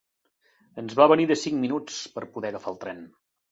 Ens va venir de cinc minuts per a poder agafar el tren.